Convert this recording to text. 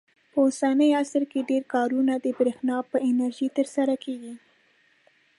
په اوسني عصر کې ډېر کارونه د برېښنا په انرژۍ ترسره کېږي.